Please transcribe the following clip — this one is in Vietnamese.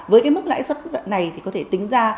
với cái mức lãi suất này thì có thể tính ra